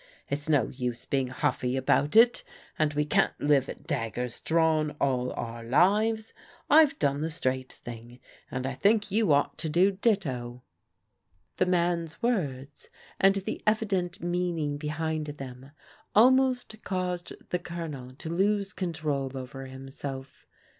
It's no use being huSy about it, and we can't live at daggers drawn all our lives. I've done the straight thing, and I think you ought to do ditto." The man's words, and the evident meaning behind them, almost caused the Colonel to lose control over him self.